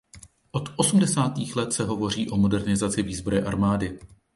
Od osmdesátých let se hovoří o modernizaci výzbroje armády.